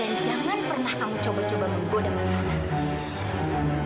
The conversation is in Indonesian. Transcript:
dan jangan pernah kamu coba coba memboda mariana